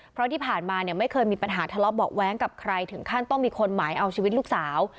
เพราะที่ผ่านมาเนี่ยไม่เคยมีปัญหาทะเลาะเบาะแว้งกับใครถึงขั้นต้องมีคนหมายเอาชีวิตลูกสาว